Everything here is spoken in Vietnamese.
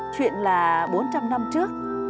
chuyện là bốn trăm linh năm trước